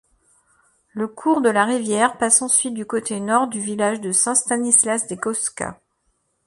Le cours de la rivière passe ensuite du côté nord du village de Saint-Stanislas-de-Kostka.